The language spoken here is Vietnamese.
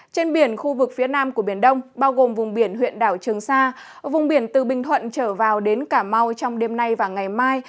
trên biển khu vực phía nam của biển đông bao gồm vùng biển huyện đảo trường sa vùng biển từ bình thuận trở vào đến cả mau trong đêm nay và ngày mai